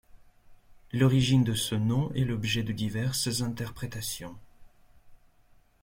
L'origine de ce nom est l'objet de diverses interprétations.